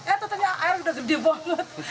eh tetepnya air udah gede banget